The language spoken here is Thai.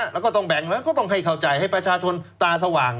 แล้วก็ต้องแบ่งแล้วก็ต้องให้เข้าใจให้ประชาชนตาสว่าง